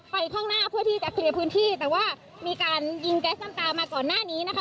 ข้างหน้าเพื่อที่จะเคลียร์พื้นที่แต่ว่ามีการยิงแก๊สน้ำตามาก่อนหน้านี้นะคะ